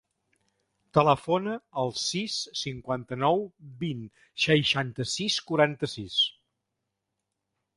Telefona al sis, cinquanta-nou, vint, seixanta-sis, quaranta-sis.